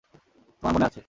তোমার মনে আছে!